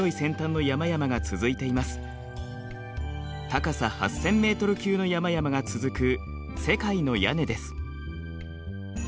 高さ８，０００ｍ級の山々が続く世界の屋根です。